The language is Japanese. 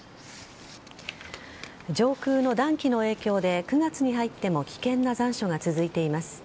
上空の暖気の影響で９月に入っても危険な残暑が続いています。